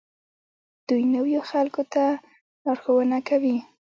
دوی نویو خلکو ته لارښوونه کوي.